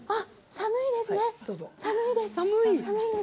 寒いですね。